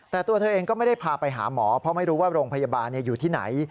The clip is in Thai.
แต่ตัวเธอเองก็ไม่ได้พาไปหาหมอเพราะไม่รู้ว่าโรงพยาบาลอยู่ที่ไหน